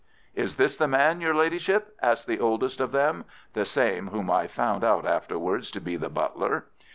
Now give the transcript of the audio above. "Is this the man, your Ladyship?" asked the oldest of them—the same whom I found out afterwards to be the butler.